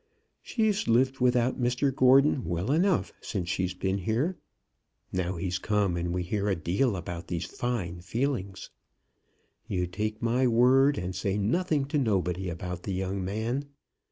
She's lived without Mr Gordon well enough since she's been here. Now he's come, and we hear a deal about these fine feelings. You take my word, and say nothing to nobody about the young man.